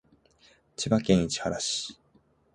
千葉県市原市